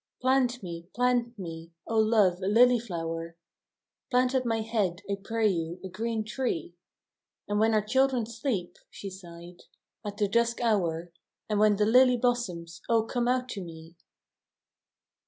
" Plant me, plant me, O love, a lily flower — Plant at my head, I pray you, a green tree ; And when our children sleep," she sighed, " at the dusk hour, And when the lily blossoms, O come out to me